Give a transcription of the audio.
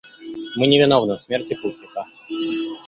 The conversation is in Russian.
Мы не виновны в смерти путника.